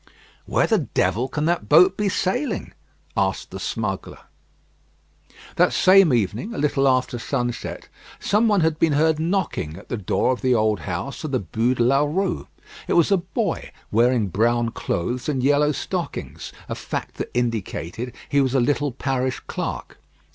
"Where the devil can that boat be sailing?" asked the smuggler. That same evening, a little after sunset, some one had been heard knocking at the door of the old house of the Bû de la Rue. It was a boy wearing brown clothes and yellow stockings, a fact that indicated that he was a little parish clerk.